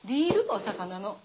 お魚の。